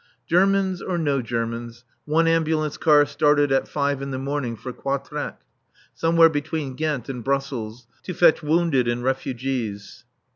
Germans or no Germans, one ambulance car started at five in the morning for Quatrecht, somewhere between Ghent and Brussels, to fetch wounded and refugees.